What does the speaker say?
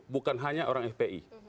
bukan hanya orang fpi